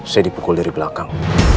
saya dipukul dari belakang